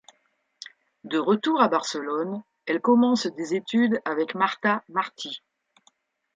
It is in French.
De retour à Barcelone, elle commence des études avec Marta Martí.